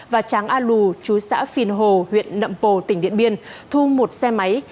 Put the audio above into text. và tráng a lù chú xã phìn hồ huyện nậm pồ tỉnh điện biên thu một xe máy